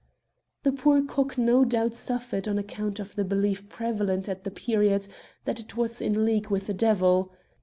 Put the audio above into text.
The poor cock no doubt suffered on account of the belief prevalent at the period that it was in league with the devil.